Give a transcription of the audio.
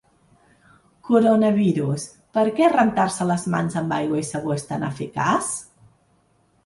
Coronavirus: per què rentar-se les mans amb aigua i sabó és tan eficaç?